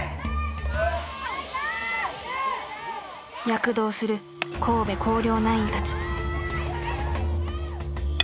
躍動する神戸弘陵ナインたち。